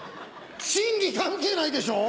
心理関係ないでしょう！